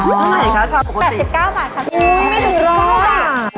เท่าไหนคะชามปกติอ๋อ๘๙บาทครับอื้อไม่เห็นเลย